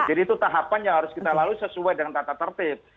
jadi itu tahapan yang harus kita lalui sesuai dengan tata tertib